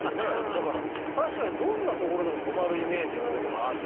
だから確かにどんなところでも止まるイメージっていうのがあるっていうね。